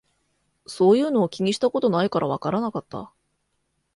そういうの気にしたことないからわからなかった